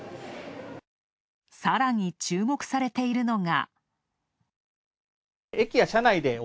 さらに注目されているのが。